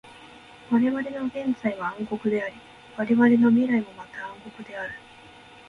われわれの現在は暗黒であり、われわれの未来もまた暗黒である。